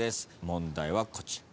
問題はこちら。